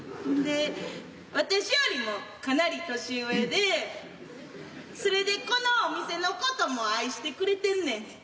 ほんで私よりもかなり年上でそれでこのお店のことも愛してくれてんねん。